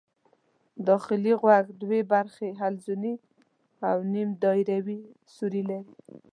داخلي غوږ دوې برخې حلزوني او نیم دایروي سوري لري.